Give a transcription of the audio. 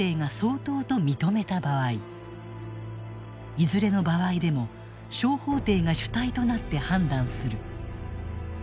いずれの場合でも小法廷が主体となって判断する。